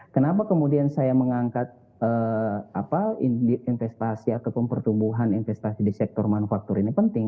kenapa kemudian saya mengangkat investasi ataupun pertumbuhan investasi di sektor manufaktur ini penting